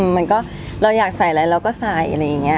มันก็เราอยากใส่อะไรเราก็ใส่อะไรอย่างนี้